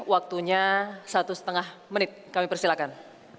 waktunya satu setengah menit kami persilakan